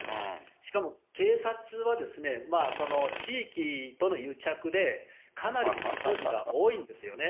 しかも警察は地域との癒着で、かなり不祥事が多いんですよね。